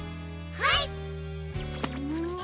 はい！